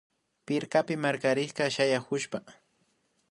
Pirkapi markarirka shayakushpa